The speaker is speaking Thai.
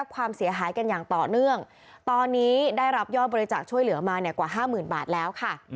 กว่าห้าหมื่นบาทแล้วค่ะ